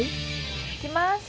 いきます。